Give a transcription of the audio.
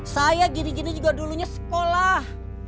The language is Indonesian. saya gini gini juga dulunya sekolah